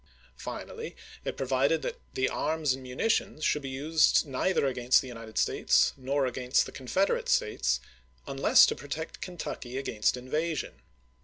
Finally, it provided that the arms and munitions should be used neither against the United States nor against the Confederate States, unless to protect Kentucky against invasion.